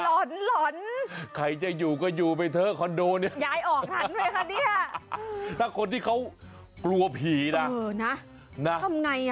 โอ้โหไอ้หลอนเลย